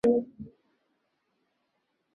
等腰横帘蛤为帘蛤科花蛤属下的一个种。